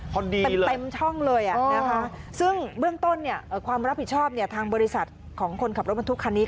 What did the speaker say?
เพิ่มเต็มช่องเลยซึ่งเรื่องต้นความรับผิดชอบทางบริษัทของคนขับรถบรรทุกคันนี้